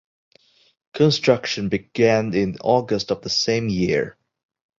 Construction began in August of the same year.